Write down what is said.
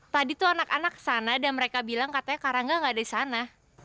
tadi tuh anak anak kesana dan mereka bilang katanya karangga gak ada disana